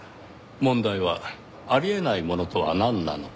問題はあり得ないものとはなんなのか？